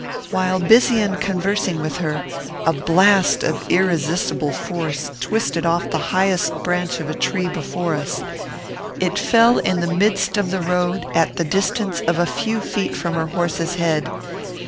While busy in conversing with her, a blast of irresistible force twisted off the highest branch of a tree before us. It fell in the midst of the road, at the distance of a few feet from her horse's head.